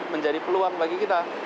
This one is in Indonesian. menjadi peluang bagi kita